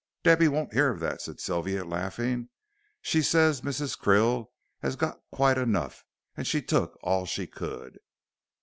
"Debby won't hear of that," said Sylvia, laughing. "She says Mrs. Krill has got quite enough, and she took all she could."